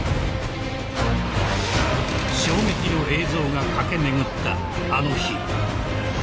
［衝撃の映像が駆け巡ったあの日］